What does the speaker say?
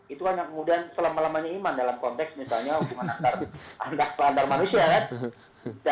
itu kan yang kemudian selama lamanya iman dalam konteks misalnya hubungan antar manusia kan